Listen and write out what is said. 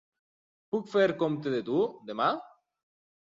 Puc fer compte de tu, demà?